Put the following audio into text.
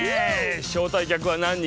招待客は何人？